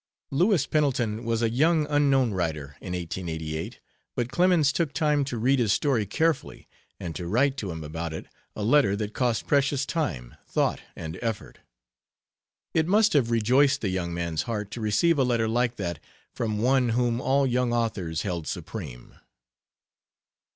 Louis Pendleton was a young unknown writer in 1888, but Clemens took time to read his story carefully, and to write to him about it a letter that cost precious time, thought, and effort. It must have rejoiced the young man's heart to receive a letter like that, from one whom all young authors held supreme.